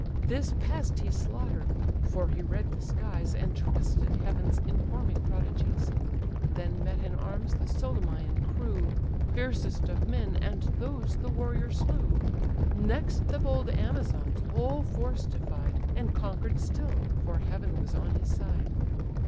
"This pest he slaughter'd, (for he read the skies, And trusted heaven's informing prodigies,) Then met in arms the Solymæan crew, (Fiercest of men,) and those the warrior slew; Next the bold Amazons' whole force defied; And conquer'd still, for heaven was on his side.